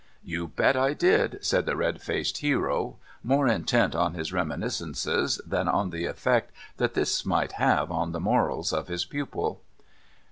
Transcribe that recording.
"You bet, I did," said the red faced hero, more intent on his reminiscences than on the effect that this might have on the morals of his pupil.